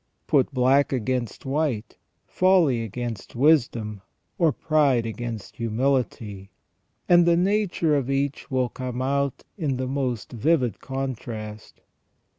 Put black against white, folly against wisdom, or pride against humility, and the nature of each will come out in the most vivid contrast.